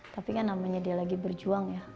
tapi kan namanya dia lagi berjuang ya